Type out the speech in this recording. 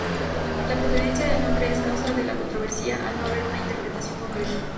La procedencia del nombre es causa de controversia al no haber una interpretación concreta.